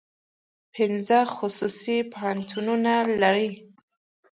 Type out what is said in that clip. پنځه خصوصي پوهنتونونه لري.